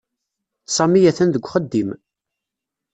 Sami atan deg uxeddim.